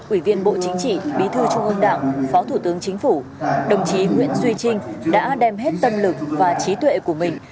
ủy viên bộ chính trị bí thư trung ương đảng phó thủ tướng chính phủ đồng chí nguyễn duy trinh đã đem hết tâm lực và trí tuệ của mình